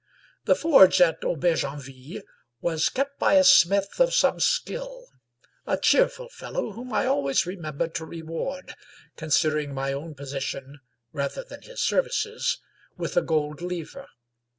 The forge at Aubergenville was kept by a smith of some skill, a cheerful fellow, whom I always remembered to re ward, considering my own position rather than his services, with a gold livre.